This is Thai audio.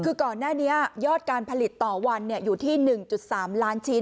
คือก่อนหน้านี้ยอดการผลิตต่อวันอยู่ที่๑๓ล้านชิ้น